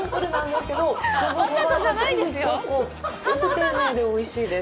すごく丁寧で、おいしいです。